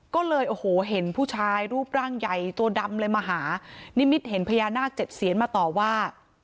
ก็เลยโอ้โหเห็นผู้ชายรูปร่างใหญ่ตัวดำเลยมาหานิมิตเห็นพญานาคเจ็ดเซียนมาต่อว่า